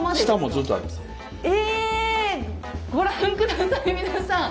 ご覧下さい皆さん！